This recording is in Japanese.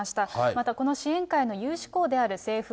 またこの支援会の有志校である清風